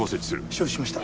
承知しました。